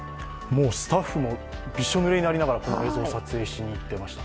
スタッフもびしょぬれになりながら映像を撮りにいっていました。